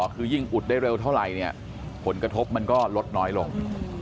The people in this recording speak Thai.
คือยิ่งอุดได้เร็วเท่าไหร่เนี่ยผลกระทบมันก็ลดน้อยลง